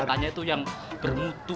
tanya tuh yang bermutu